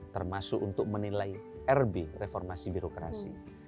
termasuk untuk menilai rb reformasi birokrasi